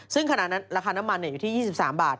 ซึ่งขณะนั้นราคาน้ำมันอยู่ที่๒๓บาท